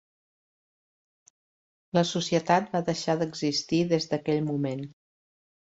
La societat va deixar d'existir des d'aquell moment.